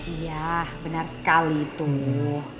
iya benar sekali tuh